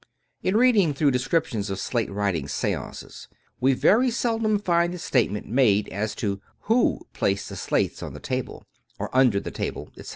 In reading through descriptions of slate writing seances, we very seldom find the statement made as to who placed the slates on the table, or under the table, etc.